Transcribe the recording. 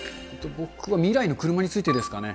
僕は未来の車についてですかね。